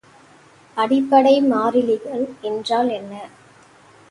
அடிப்படை மாறிலிகள் என்றால் என்ன?